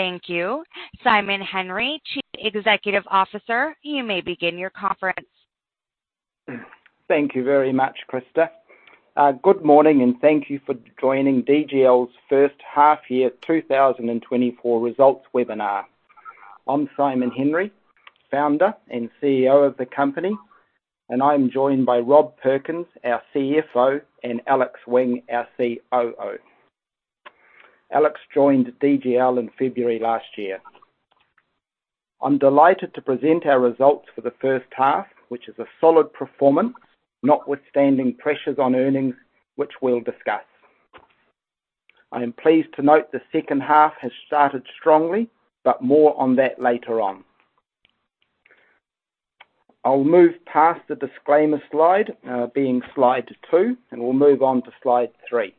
Thank you. Simon Henry, Chief Executive Officer, you may begin your conference. Thank you very much, Krista. Good morning, and thank you for joining DGL's first half year 2024 results webinar. I'm Simon Henry, Founder and CEO of the company, and I'm joined by Rob Perkins, our CFO, and Alec Wing, our COO. Alex joined DGL in February last year. I'm delighted to present our results for the first half, which is a solid performance, notwithstanding pressures on earnings, which we'll discuss. I am pleased to note the second half has started strongly, but more on that later on. I'll move past the disclaimer slide, being slide 2, and we'll move on to slide 3.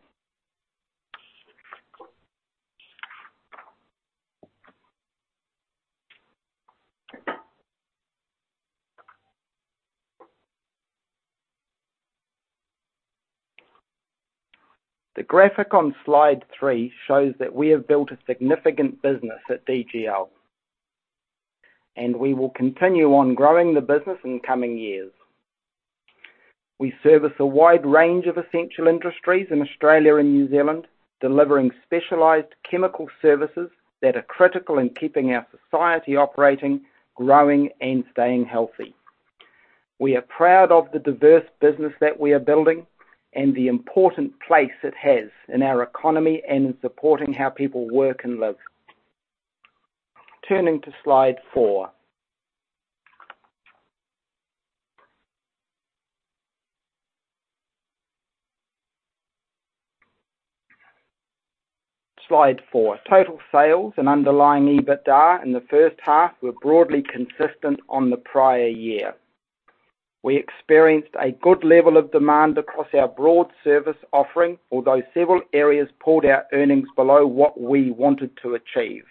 The graphic on slide 3 shows that we have built a significant business at DGL, and we will continue on growing the business in coming years. We service a wide range of essential industries in Australia and New Zealand, delivering specialized chemical services that are critical in keeping our society operating, growing, and staying healthy. We are proud of the diverse business that we are building and the important place it has in our economy and in supporting how people work and live. Turning to slide 4. Slide 4. Total sales and underlying EBITDA in the first half were broadly consistent on the prior year. We experienced a good level of demand across our broad service offering, although several areas pulled our earnings below what we wanted to achieve.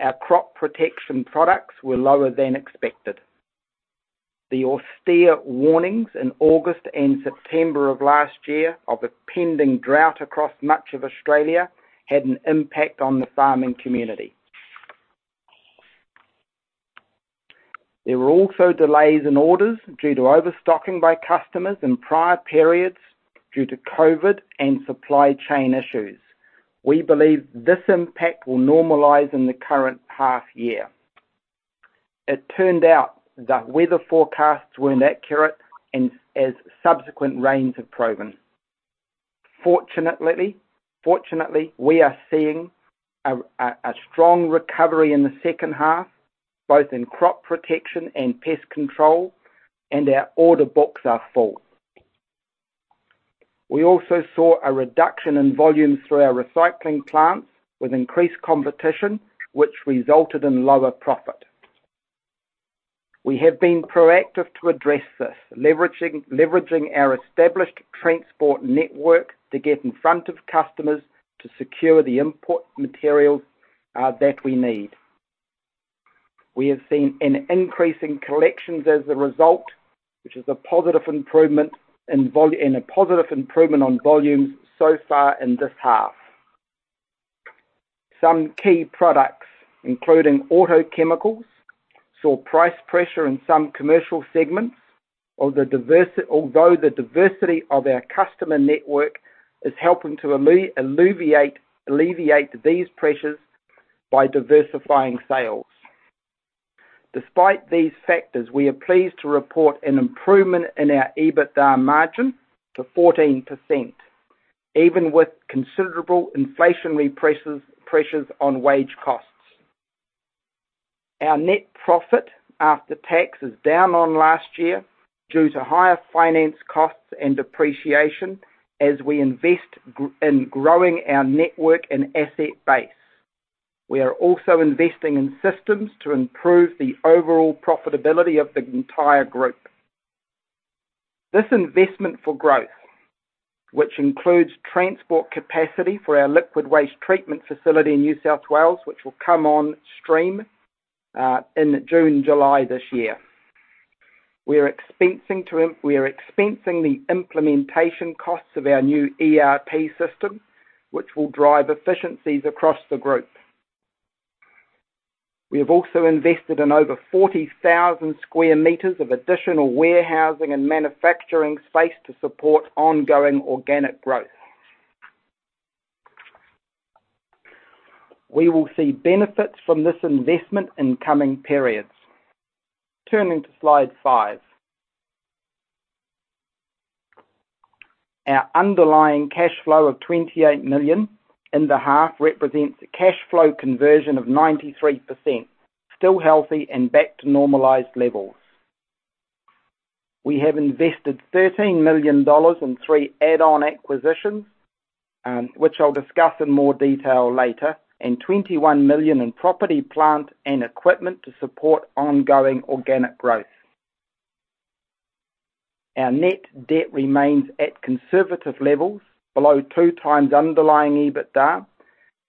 Our crop protection products were lower than expected. The severe warnings in August and September of last year of a pending drought across much of Australia had an impact on the farming community. There were also delays in orders due to overstocking by customers in prior periods due to COVID and supply chain issues. We believe this impact will normalize in the current half year. It turned out that weather forecasts were inaccurate and as subsequent rains have proven. Fortunately, we are seeing a strong recovery in the second half, both in crop protection and pest control, and our order books are full. We also saw a reduction in volumes through our recycling plants, with increased competition, which resulted in lower profit. We have been proactive to address this, leveraging our established transport network to get in front of customers to secure the input materials that we need. We have seen an increase in collections as a result, which is a positive improvement in volumes and a positive improvement on volumes so far in this half. Some key products, including auto chemicals, saw price pressure in some commercial segments, although the diversity of our customer network is helping to alleviate these pressures by diversifying sales. Despite these factors, we are pleased to report an improvement in our EBITDA margin to 14%, even with considerable inflationary pressures on wage costs. Our net profit after tax is down on last year due to higher finance costs and depreciation as we invest in growing our network and asset base. We are also investing in systems to improve the overall profitability of the entire group. This investment for growth, which includes transport capacity for our liquid waste treatment facility in New South Wales, which will come on stream in June, July this year. We are expensing the implementation costs of our new ERP system, which will drive efficiencies across the group. We have also invested in over 40,000 square meters of additional warehousing and manufacturing space to support ongoing organic growth. We will see benefits from this investment in coming periods. Turning to slide 5. Our underlying cash flow of 28 million in the half represents a cash flow conversion of 93%, still healthy and back to normalized levels. We have invested 13 million dollars in three add-on acquisitions, which I'll discuss in more detail later, and 21 million in property, plant, and equipment to support ongoing organic growth. Our net debt remains at conservative levels, below 2 times underlying EBITDA,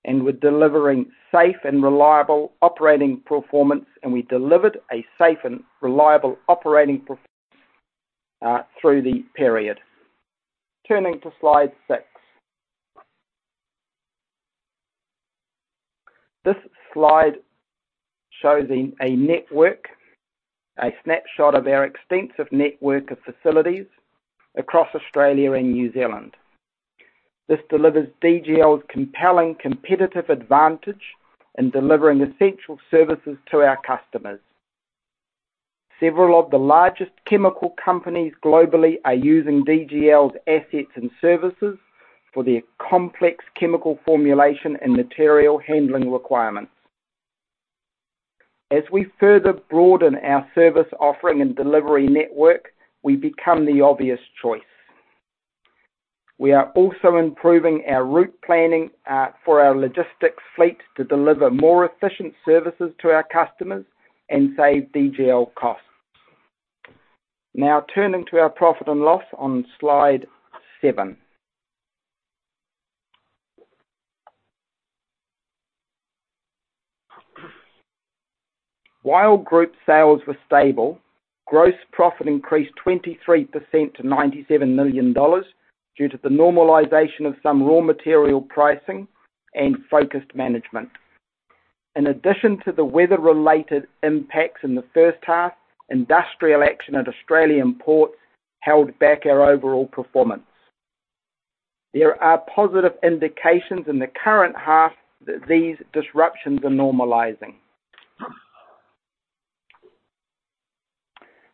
and we're delivering safe and reliable operating performance, and we delivered a safe and reliable operating performance through the period. Turning to Slide 6. This slide shows in a network, a snapshot of our extensive network of facilities across Australia and New Zealand. This delivers DGL's compelling competitive advantage in delivering essential services to our customers. Several of the largest chemical companies globally are using DGL's assets and services for their complex chemical formulation and material handling requirements. As we further broaden our service offering and delivery network, we become the obvious choice. We are also improving our route planning for our logistics fleet to deliver more efficient services to our customers and save DGL costs. Now, turning to our profit and loss on Slide 7. While group sales were stable, gross profit increased 23% to 97 million dollars, due to the normalization of some raw material pricing and focused management. In addition to the weather-related impacts in the first half, industrial action at Australian ports held back our overall performance. There are positive indications in the current half that these disruptions are normalizing.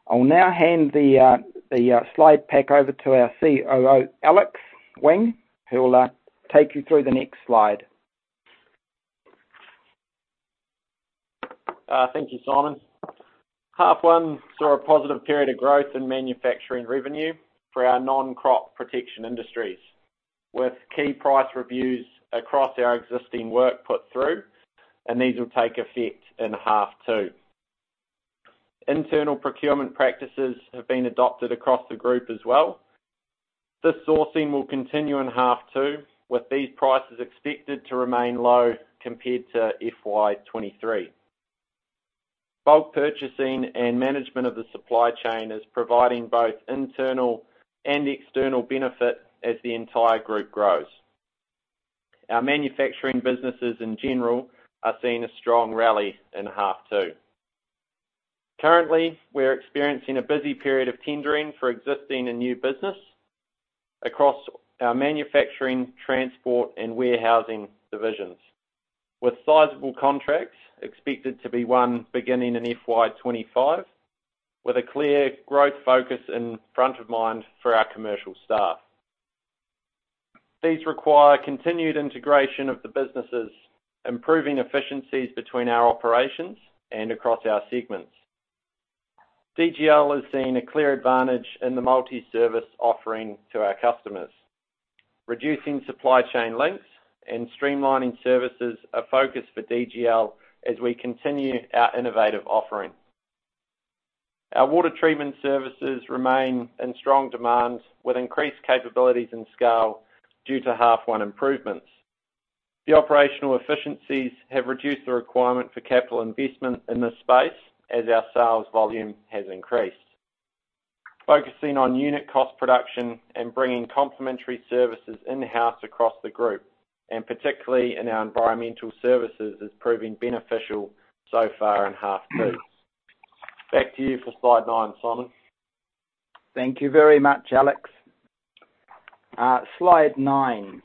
I'll now hand the slide pack over to our COO, Alex Wing, who will take you through the next slide. Thank you, Simon. Half one saw a positive period of growth in manufacturing revenue for our non-crop protection industries, with key price reviews across our existing work put through, and these will take effect in half two. Internal procurement practices have been adopted across the group as well. This sourcing will continue in half two, with these prices expected to remain low compared to FY 2023. Bulk purchasing and management of the supply chain is providing both internal and external benefit as the entire group grows. Our manufacturing businesses, in general, are seeing a strong rally in half two. Currently, we're experiencing a busy period of tendering for existing and new business across our manufacturing, transport, and warehousing divisions. With sizable contracts expected to be won beginning in FY 2025, with a clear growth focus in front of mind for our commercial staff. These require continued integration of the businesses, improving efficiencies between our operations and across our segments. DGL has seen a clear advantage in the multi-service offering to our customers. Reducing supply chain lengths and streamlining services are focus for DGL as we continue our innovative offering. Our water treatment services remain in strong demand, with increased capabilities and scale due to half one improvements. The operational efficiencies have reduced the requirement for capital investment in this space as our sales volume has increased. Focusing on unit cost production and bringing complementary services in-house across the group, and particularly in our environmental services, is proving beneficial so far in half two. Back to you for Slide 9, Simon. Thank you very much, Alex. Slide 9.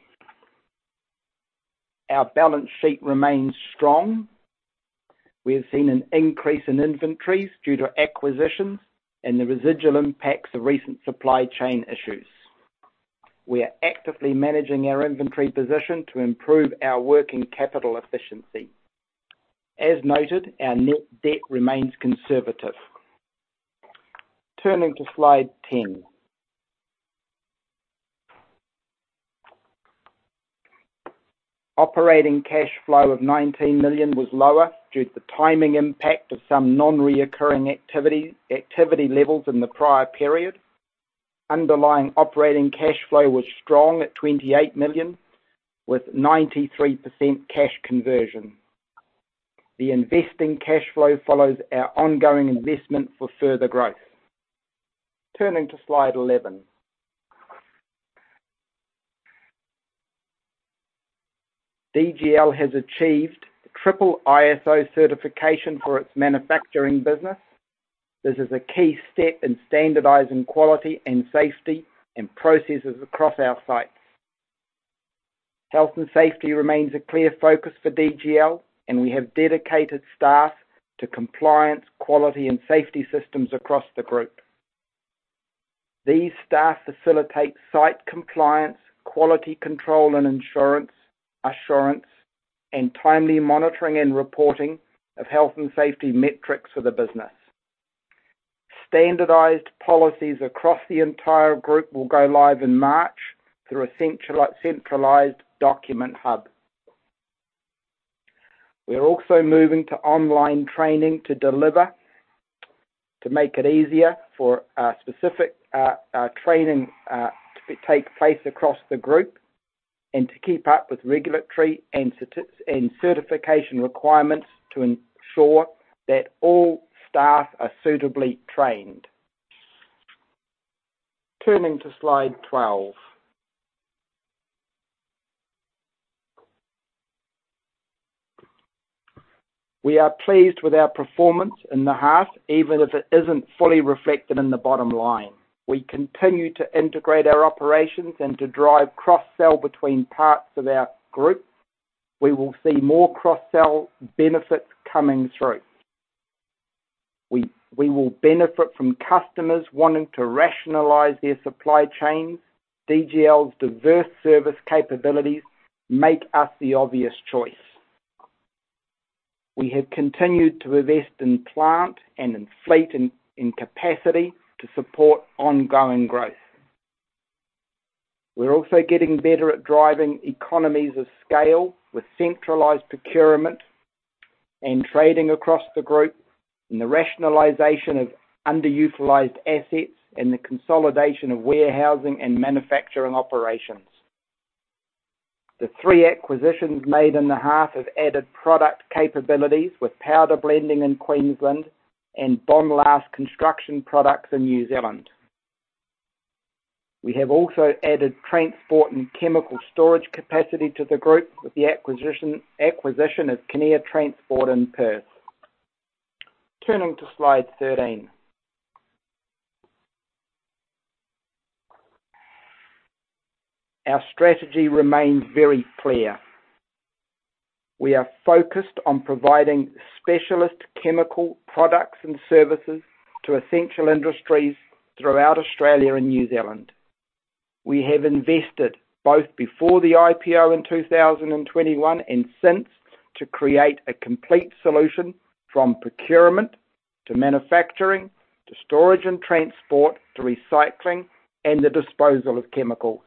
Our balance sheet remains strong. We have seen an increase in inventories due to acquisitions and the residual impacts of recent supply chain issues. We are actively managing our inventory position to improve our working capital efficiency. As noted, our net debt remains conservative. Turning to Slide 10. Operating cash flow of 19 million was lower due to the timing impact of some non-recurring activity, activity levels in the prior period. Underlying operating cash flow was strong at 28 million, with 93% cash conversion. The investing cash flow follows our ongoing investment for further growth. Turning to Slide 11. DGL has achieved triple ISO certification for its manufacturing business. This is a key step in standardizing quality and safety in processes across our sites. Health and safety remains a clear focus for DGL, and we have dedicated staff to compliance, quality, and safety systems across the group. These staff facilitate site compliance, quality control and insurance, assurance, and timely monitoring and reporting of health and safety metrics for the business. Standardized policies across the entire group will go live in March through a centralized document hub. We are also moving to online training to deliver, to make it easier for specific training to take place across the group and to keep up with regulatory and certification requirements to ensure that all staff are suitably trained. Turning to Slide 12. We are pleased with our performance in the half, even if it isn't fully reflected in the bottom line. We continue to integrate our operations and to drive cross-sell between parts of our group. We will see more cross-sell benefits coming through. We will benefit from customers wanting to rationalize their supply chains. DGL's diverse service capabilities make us the obvious choice. We have continued to invest in plant and in fleet and in capacity to support ongoing growth. We're also getting better at driving economies of scale with centralized procurement and trading across the group, and the rationalization of underutilized assets, and the consolidation of warehousing and manufacturing operations. The three acquisitions made in the half have added product capabilities with powder blending in Queensland and Bondlast Construction Products in New Zealand. We have also added transport and chemical storage capacity to the group with the acquisition of Kinnear Transport in Perth. Turning to Slide 13. Our strategy remains very clear. We are focused on providing specialist chemical products and services to essential industries throughout Australia and New Zealand. We have invested both before the IPO in 2021 and since, to create a complete solution, from procurement to manufacturing, to storage and transport, to recycling and the disposal of chemicals.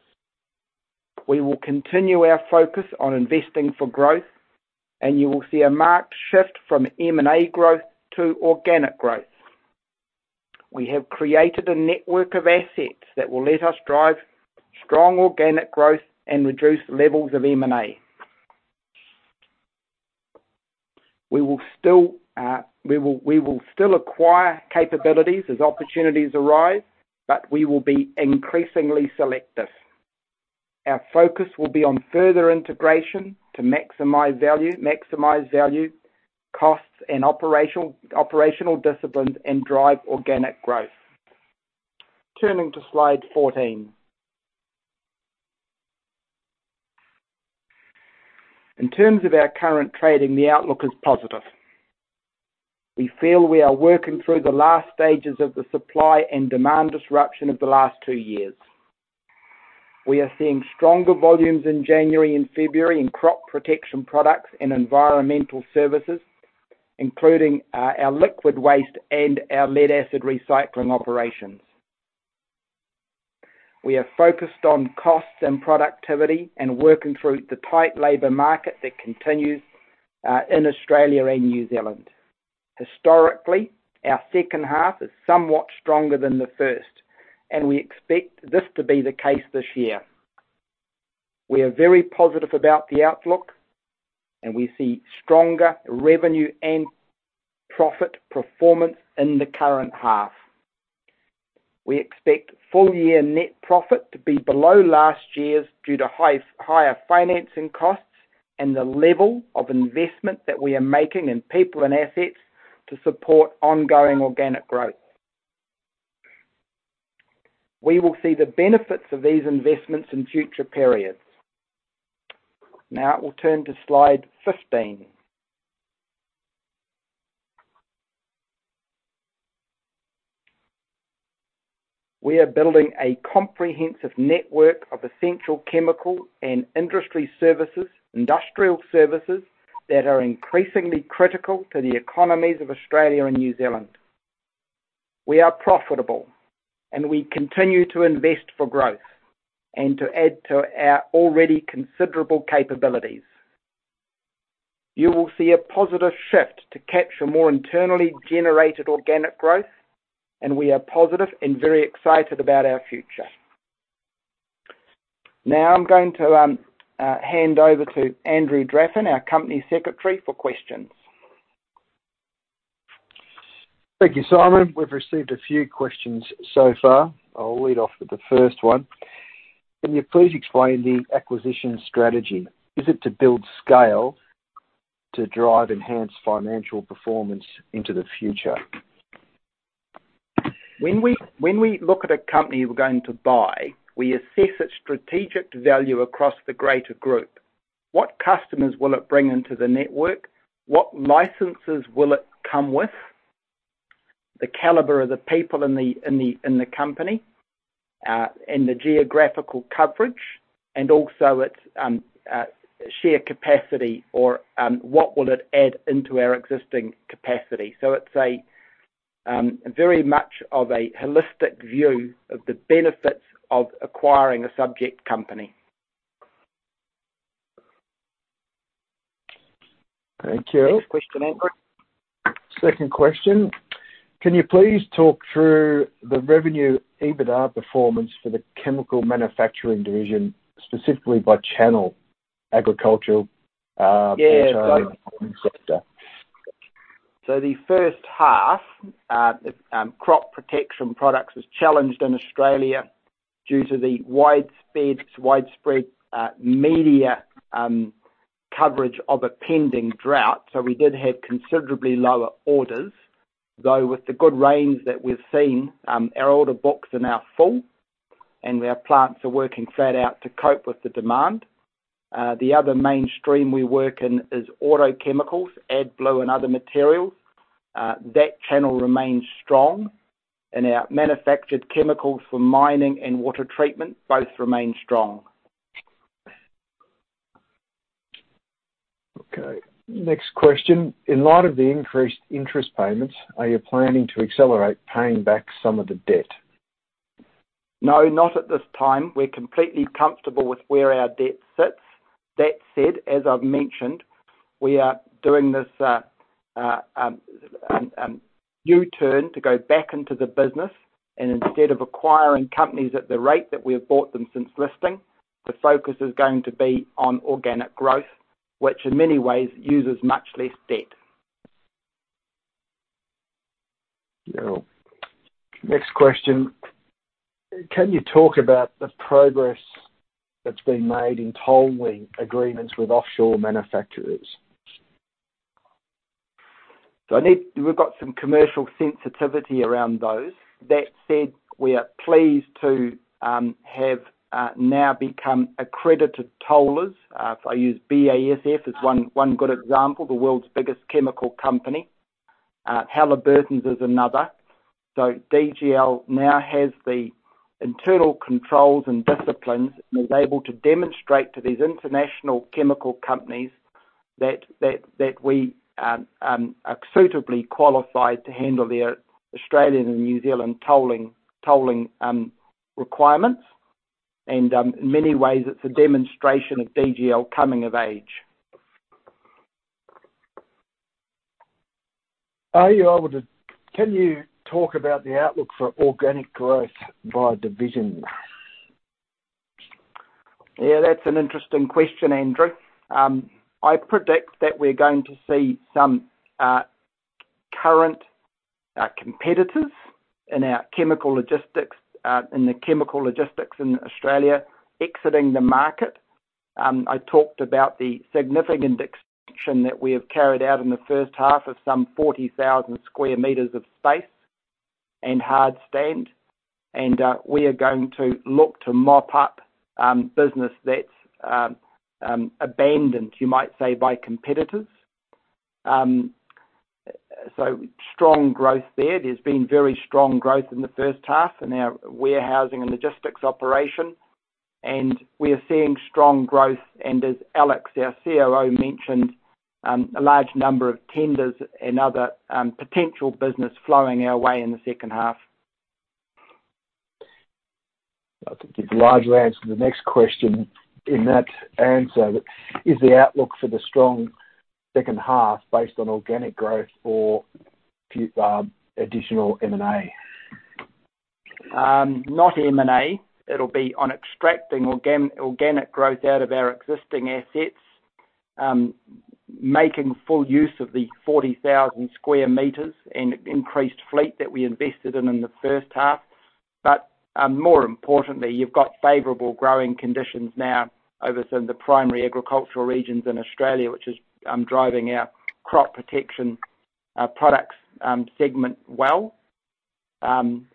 We will continue our focus on investing for growth, and you will see a marked shift from M&A growth to organic growth. We have created a network of assets that will let us drive strong organic growth and reduce levels of M&A. We will still acquire capabilities as opportunities arise, but we will be increasingly selective. Our focus will be on further integration to maximize value, maximize value, costs, and operational discipline, and drive organic growth. Turning to Slide 14. In terms of our current trading, the outlook is positive. We feel we are working through the last stages of the supply and demand disruption of the last two years. We are seeing stronger volumes in January and February in crop protection products and environmental services, including our liquid waste and our lead-acid recycling operations. We are focused on costs and productivity, and working through the tight labor market that continues in Australia and New Zealand. Historically, our second half is somewhat stronger than the first, and we expect this to be the case this year. We are very positive about the outlook, and we see stronger revenue and profit performance in the current half. We expect full-year net profit to be below last year's due to higher financing costs and the level of investment that we are making in people and assets to support ongoing organic growth. We will see the benefits of these investments in future periods. Now we'll turn to Slide 15. We are building a comprehensive network of essential chemical and industrial services—industrial services that are increasingly critical to the economies of Australia and New Zealand. We are profitable, and we continue to invest for growth and to add to our already considerable capabilities. You will see a positive shift to capture more internally generated organic growth, and we are positive and very excited about our future. Now I'm going to hand over to Andrew Draffin, our company secretary, for questions. Thank you, Simon. We've received a few questions so far. I'll lead off with the first one: Can you please explain the acquisition strategy? Is it to build scale to drive enhanced financial performance into the future? When we look at a company we're going to buy, we assess its strategic value across the greater group. What customers will it bring into the network? What licenses will it come with? The caliber of the people in the company, and the geographical coverage, and also its sheer capacity or, what will it add into our existing capacity? So it's a very much of a holistic view of the benefits of acquiring a subject company.... Thank you. Next Question, Andrew? Second question: Can you please talk through the revenue EBITDA performance for the chemical manufacturing division, specifically by channel, agricultural? Yeah, so- Sector. So the first half, crop protection products was challenged in Australia due to the widespread media coverage of a pending drought. So we did have considerably lower orders, though, with the good rains that we've seen, our order books are now full, and our plants are working flat out to cope with the demand. The other mainstream we work in is auto chemicals, AdBlue and other materials. That channel remains strong, and our manufactured chemicals for mining and water treatment both remain strong. Okay, next question: in light of the increased interest payments, are you planning to accelerate paying back some of the debt? No, not at this time. We're completely comfortable with where our debt sits. That said, as I've mentioned, we are doing this U-turn to go back into the business, and instead of acquiring companies at the rate that we have bought them since listing, the focus is going to be on organic growth, which in many ways uses much less debt. Yeah. Next question: Can you talk about the progress that's been made in tolling agreements with offshore manufacturers? So we've got some commercial sensitivity around those. That said, we are pleased to have now become accredited tollers. If I use BASF as one good example, the world's biggest chemical company, Halliburton is another. So DGL now has the internal controls and disciplines, and is able to demonstrate to these international chemical companies that we are suitably qualified to handle their Australian and New Zealand tolling requirements. And in many ways, it's a demonstration of DGL coming of age. Can you talk about the outlook for organic growth by division? Yeah, that's an interesting question, Andrew. I predict that we're going to see some current competitors in our chemical logistics in Australia exiting the market. I talked about the significant expansion that we have carried out in the first half of some 40,000 square meters of space and hard stand, and we are going to look to mop up business that's abandoned, you might say, by competitors. So strong growth there. There's been very strong growth in the first half in our warehousing and logistics operation, and we are seeing strong growth, and as Alex, our COO, mentioned, a large number of tenders and other potential business flowing our way in the second half. I think you've largely answered the next question in that answer. Is the outlook for the strong second half based on organic growth or additional M&A? Not M&A. It'll be on extracting organic growth out of our existing assets, making full use of the 40,000 square meters and increased fleet that we invested in, in the first half. But, more importantly, you've got favorable growing conditions now over some of the primary agricultural regions in Australia, which is driving our crop protection products segment well.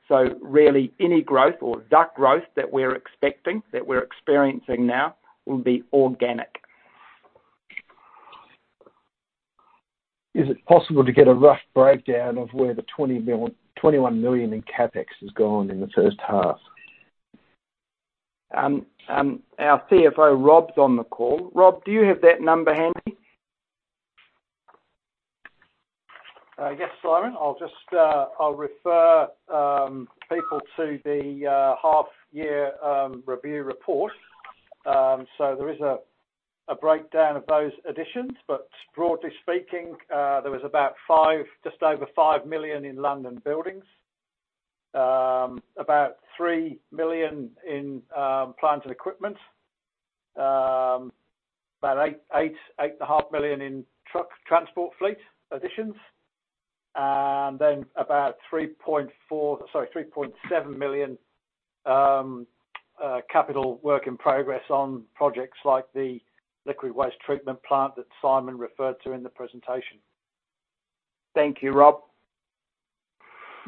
So really any growth or that growth that we're expecting, that we're experiencing now, will be organic. Is it possible to get a rough breakdown of where the 21 million in CapEx has gone in the first half? Our CFO, Rob, is on the call. Rob, do you have that number handy? Yes, Simon. I'll just, I'll refer people to the half-year review report. So there is a breakdown of those additions, but broadly speaking, there was about 5, just over 5 million in land and buildings, about 3 million in plant and equipment, about 8, 8.5 million in truck transport fleet additions, and then about 3.4, sorry, 3.7 million, capital work in progress on projects like the liquid waste treatment plant that Simon referred to in the presentation. Thank you, Rob.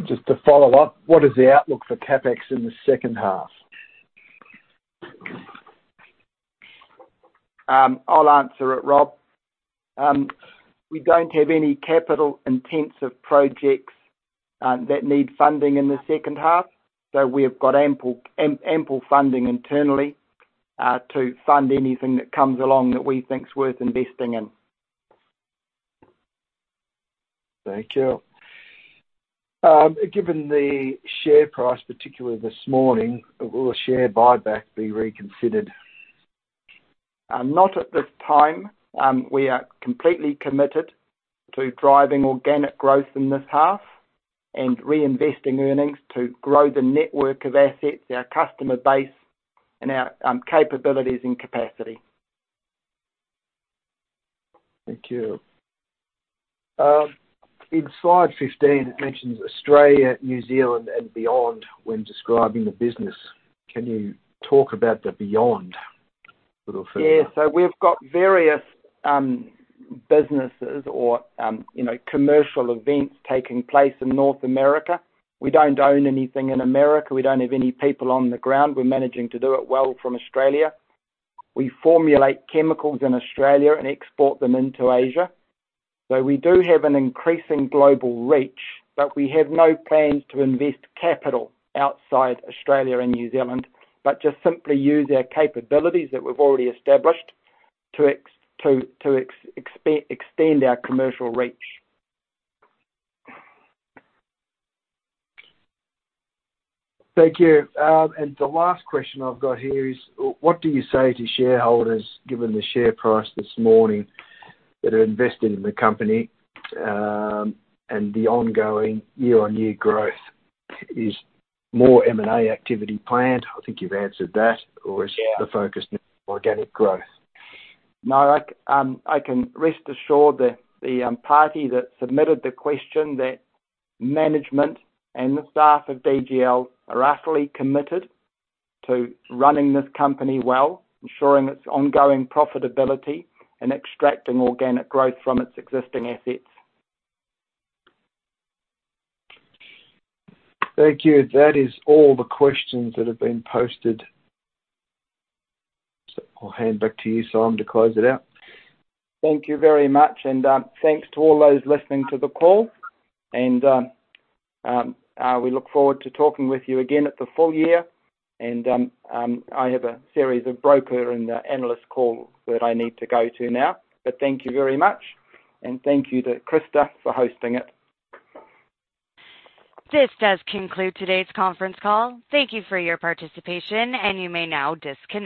Just to follow up, what is the outlook for CapEx in the second half? I'll answer it, Rob. We don't have any capital-intensive projects that need funding in the second half, so we've got ample funding internally to fund anything that comes along that we think is worth investing in.... Thank you. Given the share price, particularly this morning, will a share buyback be reconsidered? Not at this time. We are completely committed to driving organic growth in this half and reinvesting earnings to grow the network of assets, our customer base, and our capabilities and capacity. Thank you. In slide 15, it mentions Australia, New Zealand, and beyond when describing the business. Can you talk about the beyond little further? Yeah, so we've got various businesses or, you know, commercial events taking place in North America. We don't own anything in America. We don't have any people on the ground. We're managing to do it well from Australia. We formulate chemicals in Australia and export them into Asia. So we do have an increasing global reach, but we have no plans to invest capital outside Australia and New Zealand, but just simply use our capabilities that we've already established to extend our commercial reach. Thank you. And the last question I've got here is: What do you say to shareholders, given the share price this morning, that are invested in the company, and the ongoing year-over-year growth? Is more M&A activity planned? I think you've answered that. Yeah. Or is the focus organic growth? No, I, I can rest assured that the party that submitted the question, that management and the staff of DGL are utterly committed to running this company well, ensuring its ongoing profitability, and extracting organic growth from its existing assets. Thank you. That is all the questions that have been posted. So I'll hand back to you, Simon, to close it out. Thank you very much, and, thanks to all those listening to the call. And, we look forward to talking with you again at the full year. And, I have a series of broker and analyst call that I need to go to now. But thank you very much, and thank you to Krista for hosting it. This does conclude today's conference call. Thank you for your participation, and you may now disconnect.